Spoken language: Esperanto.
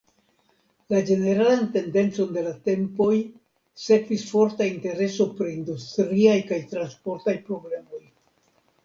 La ĝeneralan tendencon de la tempoj sekvis forta intereso pri industriaj kaj transportaj problemoj.